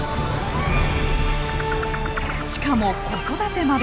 しかも子育てまで。